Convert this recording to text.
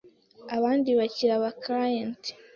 abandi bakira aba clients